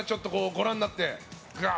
ご覧になって。